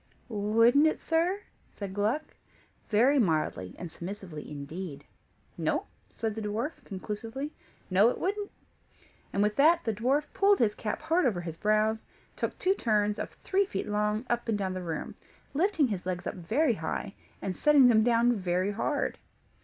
"Wouldn't it, sir?" said Gluck, very mildly and submissively indeed. "No," said the dwarf, conclusively. "No, it wouldn't." And with that, the dwarf pulled his cap hard over his brows, and took two turns, of three feet long, up and down the room, lifting his legs up very high, and setting them down very hard.